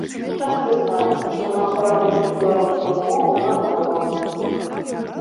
Час прызнацца, што нам пара вучыць беларускую мову нанова!